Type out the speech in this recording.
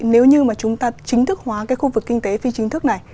nếu như mà chúng ta chính thức hóa cái khu vực kinh tế phi chính thức này